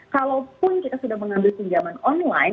kalaupun kita sudah mengambil pinjaman online